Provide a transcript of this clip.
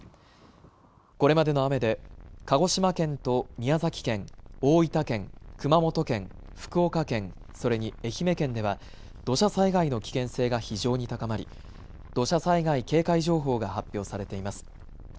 これまでの雨で鹿児島県と宮崎県、大分県、熊本県、福岡県それに愛媛県では土砂災害の危険性が非常に高まり土砂災害警戒情報が発表されています。